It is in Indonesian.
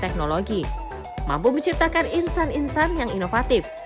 teknologi mampu menciptakan insan insan yang inovatif